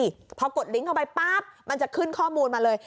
ลิงก์พวกนี้สิเพราะกดติดข้อใครบ้างป้าบมันจะขึ้นข้อมูลมาเลย